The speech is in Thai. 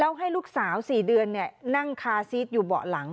แล้วให้ลูกสาว๔เดือนนั่งคาซีสอยู่เบาะหลัง